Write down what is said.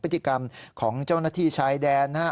พฤติกรรมของเจ้าหน้าที่ชายแดนนะฮะ